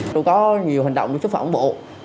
tôi có nhiều hành động xúc phạm ổng bộ